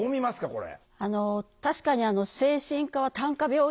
これ。